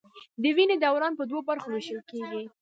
د وینې دوران په دوو برخو ویشل کېږي.